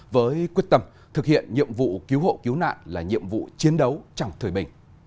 với quyết tâm thực hiện nhiệm vụ cứu hộ cứu nạn là nhiệm vụ chiến đấu trong thời bình